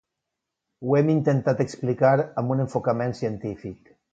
Ho hem intentat explicar amb un enfocament científic.